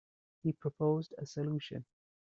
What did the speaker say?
He proposed a solution.